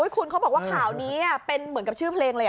คุณเขาบอกว่าข่าวนี้เป็นเหมือนกับชื่อเพลงเลย